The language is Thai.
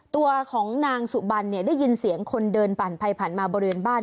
ตัวของนางสุบัญได้ยินเสียงคนเดินผ่านภายผันมาบริเวณบ้าน